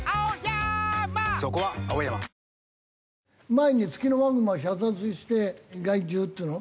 前にツキノワグマ射殺して害獣っつうの？